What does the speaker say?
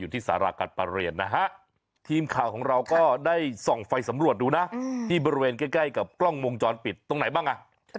ตรงไหนบ้างตรงไหนคะ